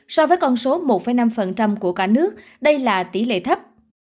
so với con số một năm của cả nước đây là tỷ lệ thấp